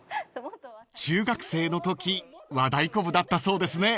［中学生のとき和太鼓部だったそうですね］